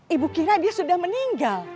ibu kira dia sudah meninggal